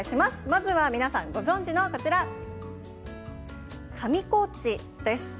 まずは皆さんご存じの上高地です。